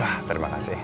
wah terima kasih om